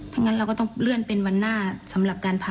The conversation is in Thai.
ถ้างั้นเราก็ต้องเลื่อนเป็นวันหน้าสำหรับคุณครับ